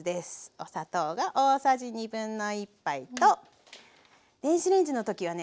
お砂糖が大さじ1/2杯と電子レンジの時はね